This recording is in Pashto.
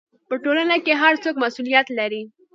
په ټولنه کې هر څوک مسؤلیت لري.